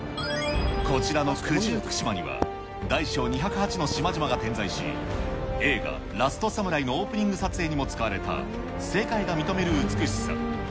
こちらの九十九島には、大小２０８の島々が点在し、映画、ラストサムライのオープニング撮影にも使われた世界が認める美しさ。